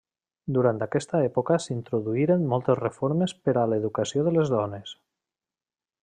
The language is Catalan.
Durant aquesta època s'introduirien moltes reformes per a l'educació de les dones.